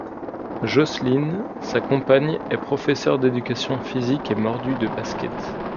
Jocelyne, sa compagne, est professeur d'éducation physique et mordue de basket.